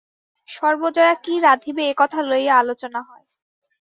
সর্বজয়া কি রাঁধিবে একথা লইয়া আলোচনা হয়।